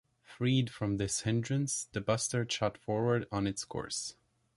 Freed from this hindrance, the Buster shot forward on its course.